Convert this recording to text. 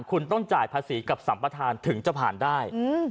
คุณต้องจ่ายภาษีกับสัมประธานถึงจะผ่านได้